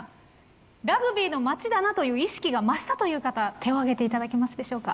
ラグビーの街だなという意識が増したという方手を挙げて頂けますでしょうか。